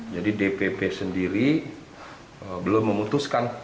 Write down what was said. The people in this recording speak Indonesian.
jadi dpp sendiri belum memutuskan